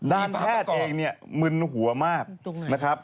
ด้านแพทย์เองมึนหัวมากนะครับ